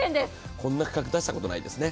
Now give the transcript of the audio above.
こんな価格、出したことないですね